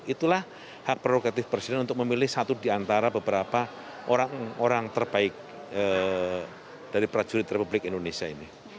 itulah hak prerogatif presiden untuk memilih satu di antara beberapa orang terbaik dari prajurit republik indonesia ini